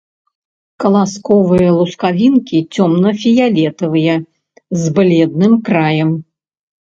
Каласковыя лускавінкі цёмна-фіялетавыя, з бледным краем.